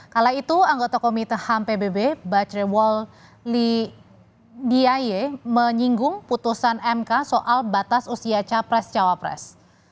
kala itu anggota komite ham pbb bacrewol lidiyaye menyinggung putusan mk soal batas usia cawapres